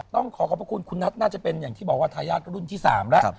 ต้องขอขอบพระคุณคุณนัทน่าจะเป็นอย่างที่บอกว่าทายาทรุ่นที่๓แล้ว